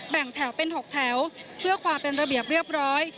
แบ่งแถวเป็น๖แถวเพื่อความเป็นระเบียบเรียบร้อย